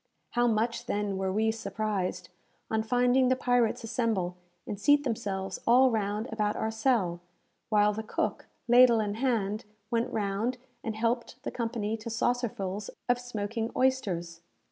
How much, then, were we surprised, on finding the pirates assemble and seat themselves all round about our cell, while the cook, ladle in hand, went round, and helped the company to saucerfuls of smoking oysters.